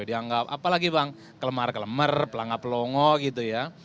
dianggap apalagi bang kelemar kelemar pelanggar pelongo gitu ya